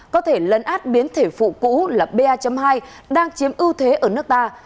có thể lấn át biến thể phụ cũ là ba hai đang chiếm ưu thế ở nước ta